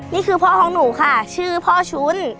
นี่คือพ่อของหนูค่ะชื่อพ่อชุ้น